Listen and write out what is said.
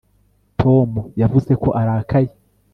tom yavuze ko arakaye